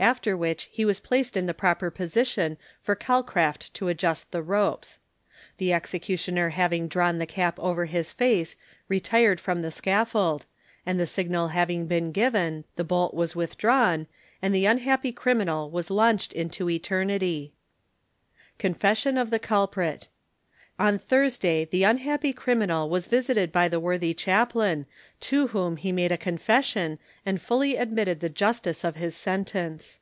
After which he was placed in the proper position for Calcraft to adjust the ropes. The executioner having drawn the cap over his face retired from the scaffold, and the signal having been given the bolt was withdrawn, and the unhappy criminal was launched into eternity. CONFESSION OF THE CULPRIT. On Thursday the unhappy criminal was visited by the worthy chaplain, to whom he made a confession, and fully admitted the justice of his sentence.